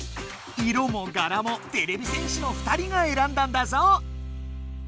色も柄もてれび戦士の２人がえらんだんだぞ！